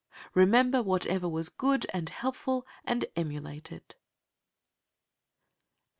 Remember whatever was good and helpful, and emulate it.